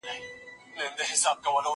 زه پرون مېوې راټولې کړې!